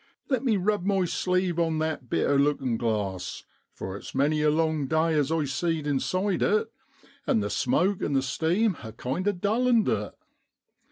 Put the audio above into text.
Let rne rub my sleeve on that bit o' lookin' glass, for it's many a long day as I seed inside it, and the smoke an' the steam ha' kinder dullened it.